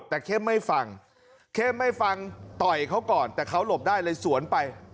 แต่เข้มไม่ฟังเข้มไม่ฟังต่อยเขาก่อนแต่เขาหลบได้เลยสวนไป